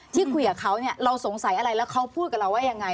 ที่คุยกับเขาเนี่ยเราสงสัยอะไรแล้วเขาพูดกับเราว่ายังไง